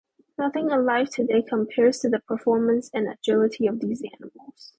Nothing alive today compares to the performance and agility of these animals.